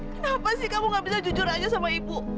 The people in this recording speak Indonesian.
kenapa kamu tidak bisa jujur saja dengan ibu